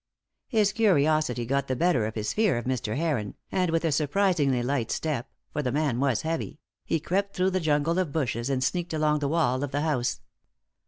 His curiosity got the better of his fear of Mr. Heron, and with a surprisingly light step for the man was heavy he crept through the jungle of bushes and sneaked along the wall of the house.